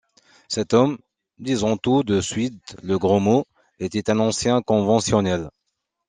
Cet homme, disons tout de suite le gros mot, était un ancien conventionnel.